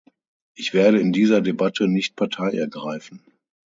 Ich werde in dieser Debatte nicht Partei ergreifen.